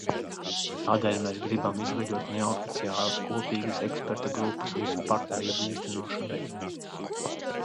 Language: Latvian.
Tādēļ mēs gribam izveidot neoficiālas kopīgas ekspertu grupas visu partnerību īstenošanai.